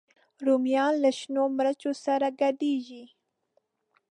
رومیان له شنو مرچو سره ګډېږي